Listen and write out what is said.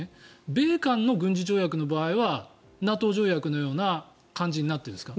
米韓の軍事条約の場合はＮＡＴＯ条約のような感じになっているんですか。